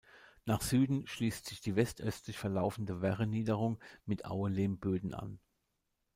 Nach Süden schließt sich die west-östlich verlaufende Werre-Niederung mit Auelehm-Böden an.